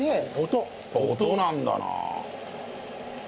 音なんだな。